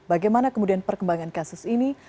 bagaimana kemudian perkembangan kasus ini